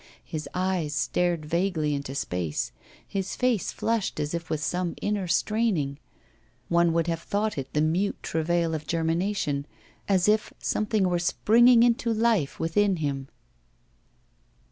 His eyes stared vaguely into space, his face flushed as if with some inner straining. One would have thought it the mute travail of germination, as if something were springing into life within him.